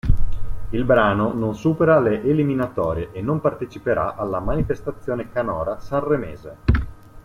Il brano non supera le eliminatorie e non parteciperà alla manifestazione canora sanremese.